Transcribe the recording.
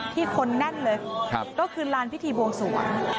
คนแน่นเลยก็คือลานพิธีบวงสวง